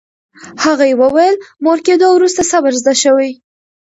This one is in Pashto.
هغې وویل، مور کېدو وروسته صبر زده شوی.